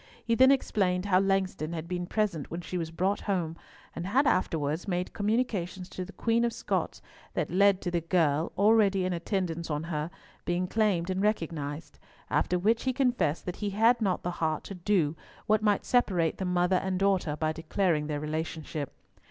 He then explained how Langston had been present when she was brought home, and had afterwards made communications to the Queen of Scots that led to the girl, already in attendance on her, being claimed and recognised; after which he confessed that he had not the heart to do what might separate the mother and daughter by declaring their relationship.